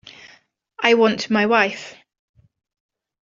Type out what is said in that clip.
I want my wife.